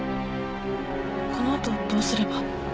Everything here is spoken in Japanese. この後どうすれば？